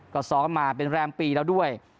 ก็ซ้อมมาเป็นแรมปีแล้วด้วย